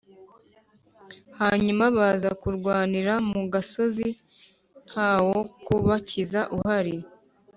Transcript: Hanyuma baza kurwanira mu gasozi h nta wo kubakiza uhari